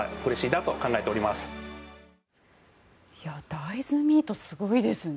大豆ミート、すごいですね。